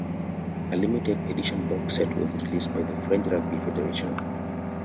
A limited edition box set was released by the French Rugby Federation.